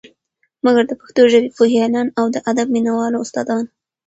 مګر د پښتو ژبې پوهیالان او د ادب مینه والو استا دانو